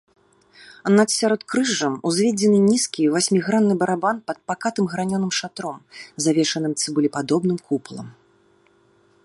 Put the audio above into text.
Над сяродкрыжжам узведзены нізкі васьмігранны барабан пад пакатым гранёным шатром, завершаным цыбулепадобным купалам.